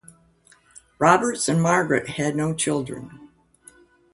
Roberts and Margaret had no children.